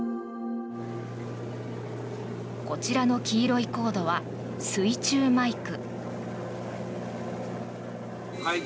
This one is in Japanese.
こちらの黄色いコードは水中マイク。